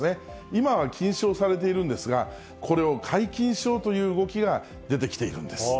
今は禁止をされているんですが、これを解禁しようという動きが出てきているんです。